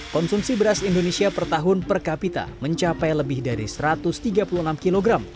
konsumsi beras indonesia per tahun per kapita mencapai lebih dari satu ratus tiga puluh enam kg